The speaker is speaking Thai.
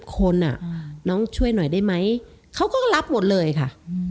คนน้องช่วยหน่อยได้ไหมเขาก็รับหมดเลยค่ะ